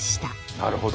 なるほど。